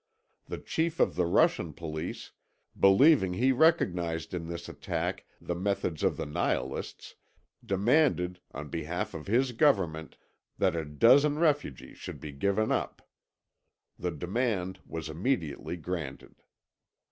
The chief of the Russian police, believing he recognised in this attack the methods of the Nihilists, demanded, on behalf of his Government, that a dozen refugees should be given up. The demand was immediately granted.